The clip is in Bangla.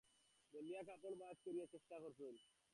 বলিয়া কাপড় ভাঁজ করিবার বৃথা চেষ্টা করিতে লাগিল।